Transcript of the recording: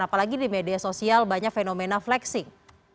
apalagi di media sosial banyak fenomena flexing